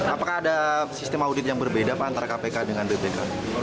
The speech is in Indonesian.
apakah ada sistem audit yang berbeda pak antara kpk dengan bpk